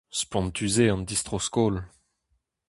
Spontus eo an distro-skol.